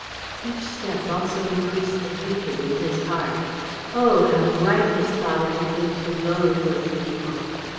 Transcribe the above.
Each step also increased the hatred in his heart. Oh, how right his father had been to loathe those people!